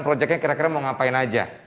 proyeknya kira kira mau ngapain aja